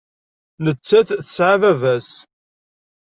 Nettat tesɛa baba-s.